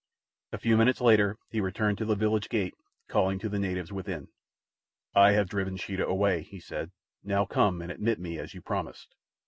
A few minutes later he returned to the village gate, calling to the natives within. "I have driven Sheeta away," he said. "Now come and admit me as you promised."